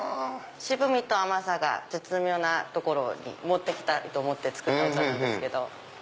渋みと甘さが絶妙なところに持って来たいと思って作ったお茶なんです。